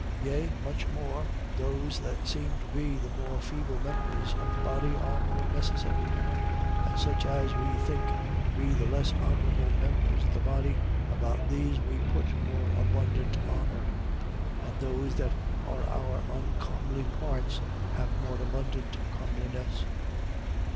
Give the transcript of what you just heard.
12:22. Yea, much, more those that seem to be the more feeble members of the body are more necessary 12:23. And such as we think to be the less honourable members of the body, about these we put more abundant honour: and those that are our uncomely parts have more abundant comeliness.